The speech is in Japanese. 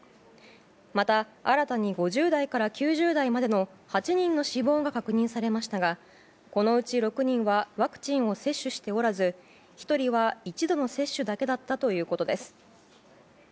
また、新たに５０代から９０代までの８人の死亡が確認されましたがこのうち６人はワクチンを接種しておらず１人は一度の接種だけだったということです。